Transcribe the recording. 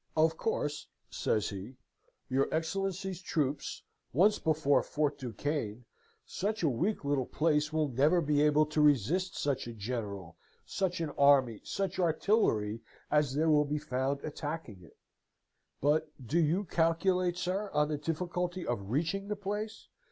'Of course,' says he, 'your Excellency's troops once before Fort Duquesne, such a weak little place will never be able to resist such a general, such an army, such artillery, as will there be found attacking it. But do you calculate, sir, on the difficulty of reaching the place?